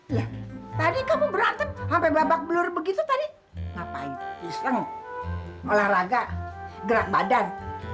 iya tadi kamu berantem sampai babak belur begitu tadi ngapain iseng olahraga gerak badan